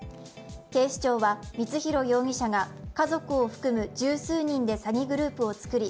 警視庁は光弘容疑者が家族を含む数十人で詐欺グループを作り